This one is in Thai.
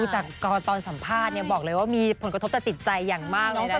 ดูจากกรตอนสัมภาษณ์เนี่ยบอกเลยว่ามีผลกระทบจากจิตใจอย่างมากเลยนะ